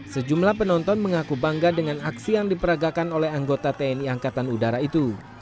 sejumlah penonton mengaku bangga dengan aksi yang diperagakan oleh anggota tni angkatan udara itu